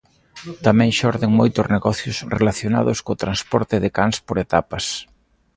Tamén xorden moitos negocios relacionados co transporte de cans por etapas.